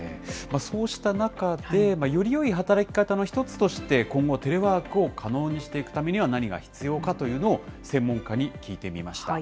そうした中で、よりよい働き方の一つとして、今後、テレワークを可能にしていくためには何が必要かというのを、専門家に聞いてみました。